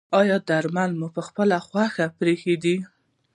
ایا درمل مو پخپله خوښه پریښي دي؟